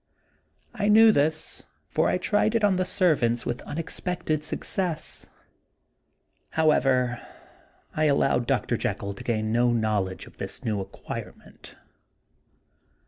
I knew this, for I tried it on the servants with unexpected success. However, I allowed Dr. Jekyll to gain no knowledge of this new acquirement.